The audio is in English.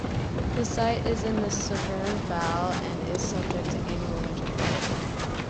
The site is in the Severn Vale and is subject to annual winter flooding.